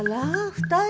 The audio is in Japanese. ２人？